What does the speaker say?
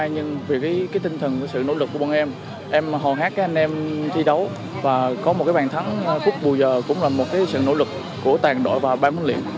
nhưng vì cái tinh thần sự nỗ lực của bọn em em hồn hát cái anh em thi đấu và có một cái bàn thắng phút bùi giờ cũng là một cái sự nỗ lực của toàn đội và ban huấn luyện